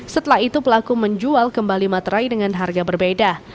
setelah itu pelaku menjual kembali materai dengan harga berbeda